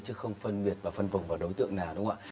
chứ không phân biệt và phân vùng vào đối tượng nào đúng không ạ